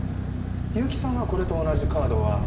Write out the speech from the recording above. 結城さんはこれと同じカードは？